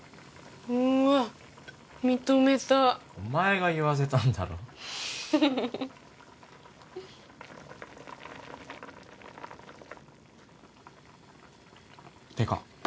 うわっ認めたお前が言わせたんだろってか